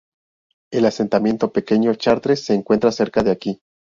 El asentamiento Pequeño Chartres se encuentra cerca de aquí.